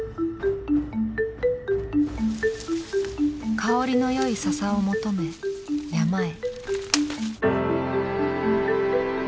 香りの良い笹を求め山へ。